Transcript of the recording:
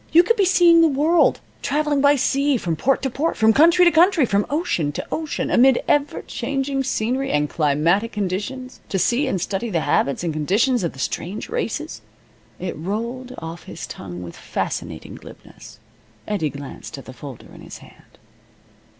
You could be seeing the world, traveling by sea from port to port, from country to country, from ocean to ocean, amid ever changing scenery and climatic conditions, to see and study the habits and conditions of the strange races " It rolled off his tongue with fascinating glibness. Eddie glanced at the folder in his hand.